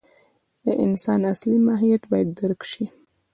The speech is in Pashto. د انسان اصلي ماهیت باید درک شي.